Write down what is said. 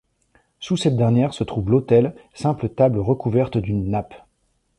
Sous cette dernière se trouve l'autel, simple table recouverte d'une nappe.